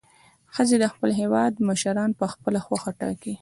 ښځې د خپل هیواد مشران په خپله خوښه ټاکي.